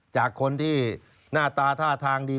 จากคนที่หน้าตาท่าทางดี